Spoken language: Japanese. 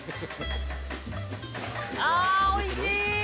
あおいしい！